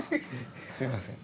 すいません。